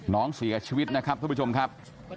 น้องเสียชีวิตนะครับทุกผู้ชมครับ